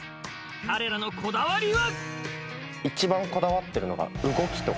彼らのこだわりは。